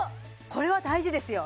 これは大事ですよ